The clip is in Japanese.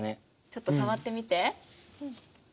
ちょっと触ってみて。